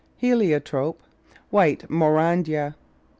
Heliotrope. White Maurandya.